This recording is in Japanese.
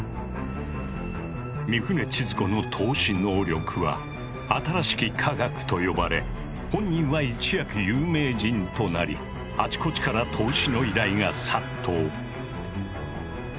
御船千鶴子の透視能力は「新しき科学」と呼ばれ本人は一躍有名人となりあちこちから更に。